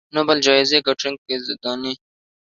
نوبل جایزې ګټونکې زنداني